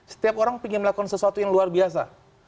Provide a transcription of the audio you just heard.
setiap orang ingin melakukan sesuatu yang luar biasa